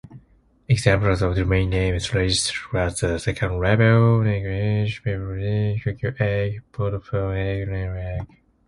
Examples of domain names registered at the second level: nic.eg, bibalex.eg, coke.eg, vodafone.eg, nile.eg.